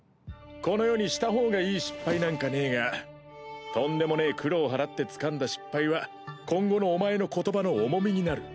この世にした方がいい失敗なんかねぇがとんでもねぇ苦労払ってつかんだ失敗は今後のお前の言葉の重みになる。